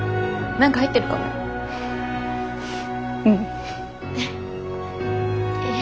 何か入ってんの？